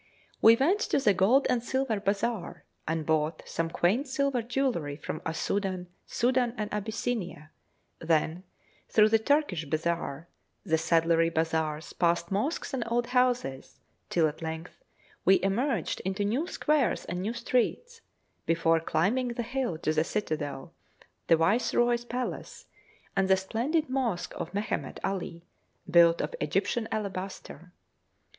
We went to the gold and silver bazaar, and bought some quaint silver jewellery from Assouan, Soudan, and Abyssinia; then through the Turkish bazaar, the saddlery bazaars, past mosques and old houses, till at length we emerged into new squares and new streets, before climbing the hill to the citadel, the Viceroy's palace, and the splendid Mosque of Mehemet Ali, built of Egyptian alabaster.